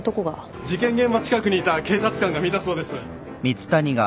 事件現場近くにいた警察官が見たそうです。